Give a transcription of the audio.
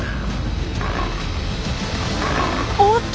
おっと！